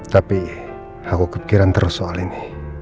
tapi aku kepikiran terus soal ini